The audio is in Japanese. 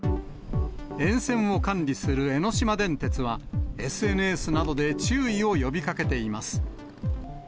沿線を管理する江ノ島電鉄は、ＳＮＳなどで注意を呼びかけています。